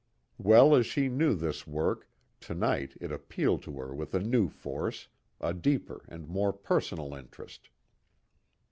Well as she knew this work, to night it appealed to her with a new force, a deeper and more personal interest.